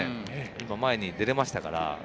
前に出れましたから。